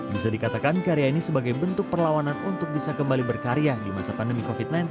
bisa dikatakan karya ini sebagai bentuk perlawanan untuk bisa kembali berkarya di masa pandemi covid sembilan belas